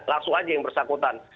langsung saja yang bersangkutan